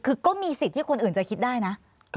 คือก็มีสิทธิ์ที่คนอื่นจะคิดได้นะ